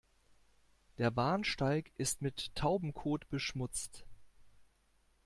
Der Bahnsteig ist mit Taubenkot beschmutzt.